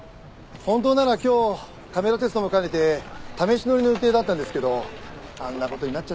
本当なら今日カメラテストも兼ねて試し乗りの予定だったんですけどあんな事になっちゃって。